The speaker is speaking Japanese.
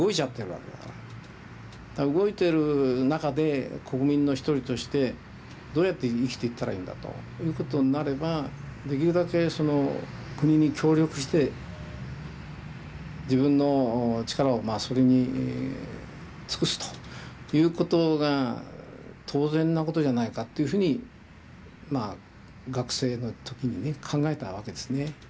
動いてる中で国民の一人としてどうやって生きていったらいいんだということになればできるだけその国に協力して自分の力をそれに尽くすということが当然なことじゃないかっていうふうにまあ学生の時にね考えたわけですね。